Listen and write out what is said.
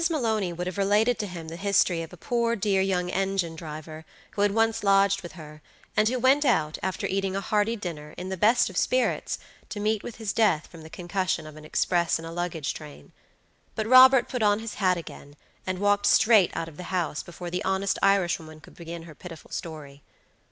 Maloney would have related to him the history of a poor dear young engine driver, who had once lodged with her, and who went out, after eating a hearty dinner, in the best of spirits, to meet with his death from the concussion of an express and a luggage train; but Robert put on his hat again, and walked straight out of the house before the honest Irishwoman could begin her pitiful story.